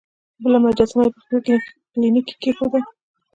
بله مجسمه یې په خپل کلینیک کې کیښوده.